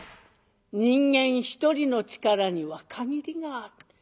人間一人の力には限りがある。